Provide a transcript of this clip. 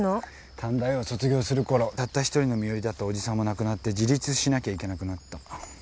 短大を卒業するころたった１人の身寄りだったおじさんも亡くなって自立しなきゃいけなくなった。